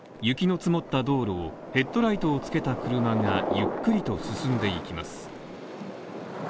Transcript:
雪の積もった道路をヘッドライトをつけた車がゆっくりと進んでいきます。